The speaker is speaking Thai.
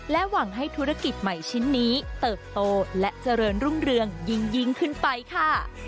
หวังให้ธุรกิจใหม่ชิ้นนี้เติบโตและเจริญรุ่งเรืองยิ่งขึ้นไปค่ะ